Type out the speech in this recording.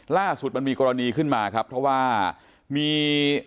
ล่าสุดมันมีกรณีขึ้นมาครับเพราะว่ามี